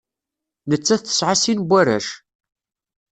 Nettat tesɛa sin n warrac.